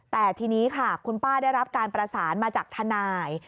แต่ทีนี้ค่ะคุณป้าได้รับการประสานมาจากทนาย